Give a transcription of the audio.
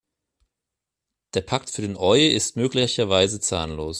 Der Pakt für den Euist möglicherweise zahnlos.